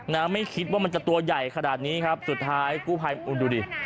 ไม่คิดว่ามันจะตัวใหญ่ขนาดนี้ครับสุดท้ายกู้ภัยคุณดูดิ